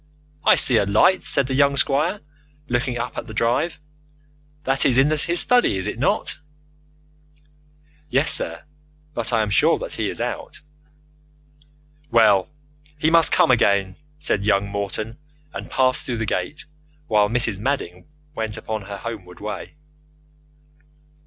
"I see a light," said the young squire, looking up the drive. "That is in his study, is it not?" "Yes, sir; but I am sure that he is out." "Well, he must come in again," said young Morton, and passed through the gate while Mrs. Madding went upon her homeward way.